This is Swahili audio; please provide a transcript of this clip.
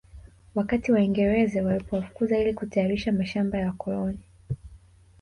Wakati waingereze walipowafukuza ili kutayarisha mashamaba ya wakoloni